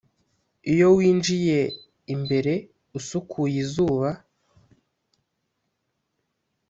iyo winjiye imbere usukuye izuba,